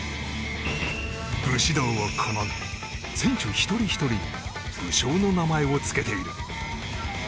武士道を好み、選手一人ひとりに武将の名前をつけている。